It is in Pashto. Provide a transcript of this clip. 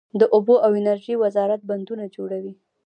د اوبو او انرژۍ وزارت بندونه جوړوي